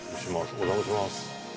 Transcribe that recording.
お邪魔します。